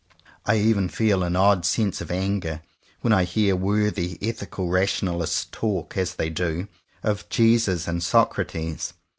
I even feel an odd sense of anger when I hear worthy ethical rationalists talk, as they do, of "Jesus and Socrates."